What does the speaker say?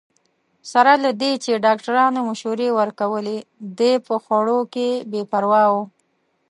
سره له دې چې ډاکټرانو مشورې ورکولې، دی په خوړو کې بې پروا وو.